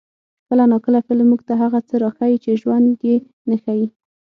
کله ناکله فلم موږ ته هغه څه راښيي چې ژوند یې نه ښيي.